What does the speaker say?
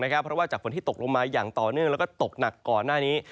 เพราะว่าจากฝนที่ตกลงมาอย่างต่อเนื่องแล้วก็ตกหนักก่อนหน้านี้